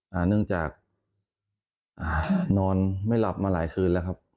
เนื่องจากอ่านอนไม่หลับมาหลายคืนแล้วครับ